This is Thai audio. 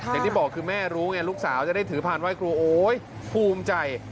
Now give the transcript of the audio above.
อย่างที่บอกคือแม่รู้ไงลูกสาวจะได้ถือพานไหว้ครูโอ๊ยภูมิใจ